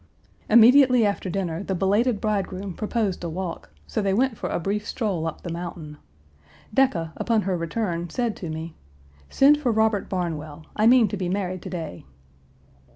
Immediately after dinner the belated bridegroom proposed a walk; so they went for a brief stroll up the mountain. Decca, upon her return, said to me: 'Send for Robert Barnwell. I mean to be married to day.'